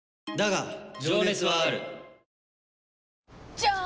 じゃーん！